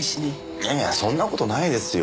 いやいやそんな事ないですよ。